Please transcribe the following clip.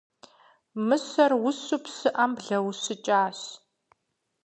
Мыщэр ущу пщыӏэм блэущыкӏащ.